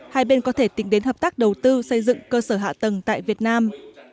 hai bên có thể tính đến hợp tác đầu tư xây dựng cơ sở hạ tầng tại việt nam